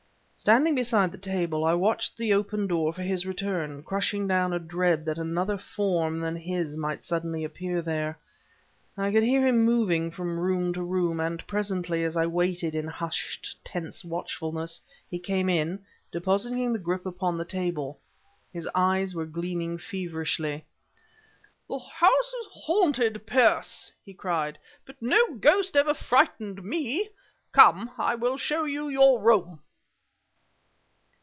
Standing beside the table, I watched the open door for his return, crushing down a dread that another form than his might suddenly appear there. I could hear him moving from room to room, and presently, as I waited in hushed, tense watchfulness, he came in, depositing the grip upon the table. His eyes were gleaming feverishly. "The house is haunted, Pearce!" he cried. "But no ghost ever frightened me! Come, I will show you your room."